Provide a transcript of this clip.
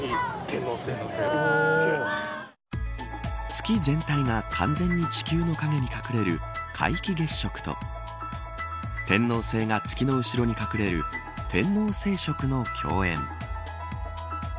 月全体が完全に地球の影に隠れる皆既月食と天王星が月の後ろに隠れる天王星食の共演。